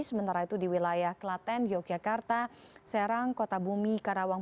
sementara itu di wilayah klaten yogyakarta serang kota bumi karawang